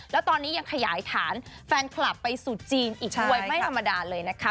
แล้วตอนนี้ยังขยายฐานแฟนคลับไปสู่จีนอีกด้วยไม่ธรรมดาเลยนะคะ